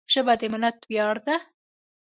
ژبه د ملت ویاړ ده